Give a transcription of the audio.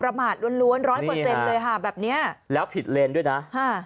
ประมาทล้วนร้อยเลยฮะแบบเนี้ยแล้วผิดเลนด์ด้วยนะฮ่า